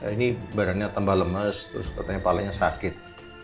ini badannya tambah lemes terus katanya palanya sakit